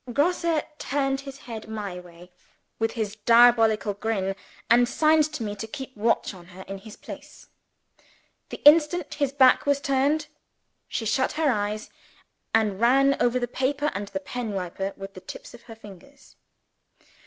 Grosse turned his head my way, with his diabolical grin; and signed to me to keep watch on her, in his place. The instant his back was turned, she shut her eyes, and ran over the paper and the pen wiper with the tips of her fingers!